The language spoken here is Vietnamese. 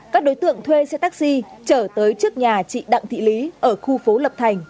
các đối tượng thuê xe taxi trở tới trước nhà chị đặng thị lý ở khu phố lập thành